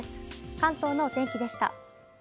関東のお天気でした。